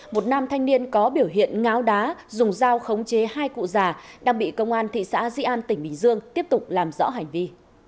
một nam thanh niên có biểu hiện ngáo đá dùng dao khống chế hai cụ già đang bị công an thị xã di an tỉnh bình dương tiếp tục làm rõ hành vi